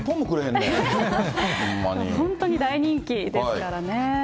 本当に大人気ですからね。